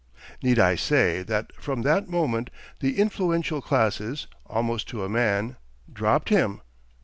Need I say that from that moment the influential classes, almost to a man, dropped him?